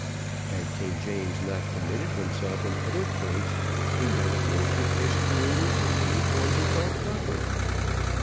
Had King James not committed himself in other points, he might have worshipped his Creator in any form he thought proper.